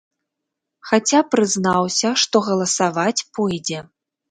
Хаця прызнаўся, што галасаваць пойдзе.